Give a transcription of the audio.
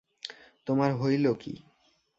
তোমার হইল কী।